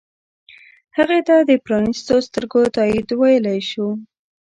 هغې ته د پرانیستو سترګو تایید ویلی شو.